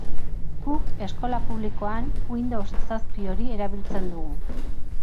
Guk, eskola publikoan, Windows zazpi hori erabiltzen dugu.